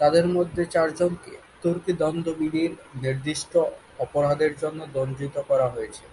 তাদের মধ্যে চারজনকে "তুর্কি দণ্ডবিধি"র নির্দিষ্ট অপরাধের জন্য দণ্ডিত করা হয়েছিল।